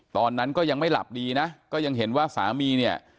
ตอนนั้นก็ยังไม่หลับดีนะก็ยังเห็นว่าสามีเนี่ย